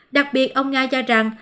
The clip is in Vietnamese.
đặc biệt ông nga cho rằng